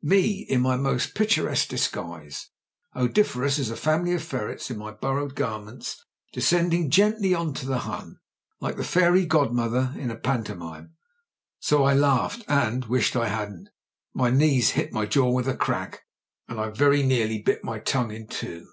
Me, in my most picturesque disguise, odoriferous as a fam ily of ferrets in my borrowed garments, descending JIM BRENT'S V.C 145 gently on to the Hun like the fairy god mother in a pantomime. So I laughed, and — ^wished I hadn't. My knees hit my jaw with a crack, and I very nearly bit my tongue in two.